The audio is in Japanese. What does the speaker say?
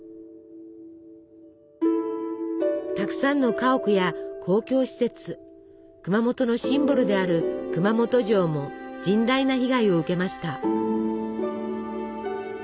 たくさんの家屋や公共施設熊本のシンボルである熊本城も甚大な被害を受けました。